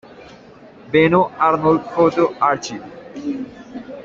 Benno Arnold Photo Archive.